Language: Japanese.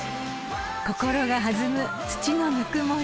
［心が弾む土のぬくもり］